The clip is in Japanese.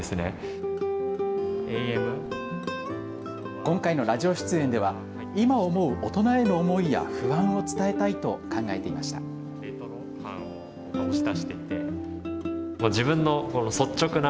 今回のラジオ出演では今思う大人への思いや不安を伝えたいと考えていました。